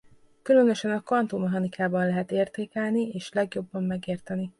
Különösen a kvantummechanikában lehet értékelni és legjobban megérteni.